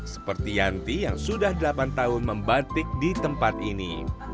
seperti yanti yang sudah delapan tahun membatik di tempat ini